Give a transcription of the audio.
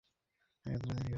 Sorry এতটা দেরী হল।